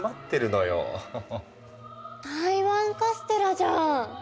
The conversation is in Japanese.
台湾カステラじゃん！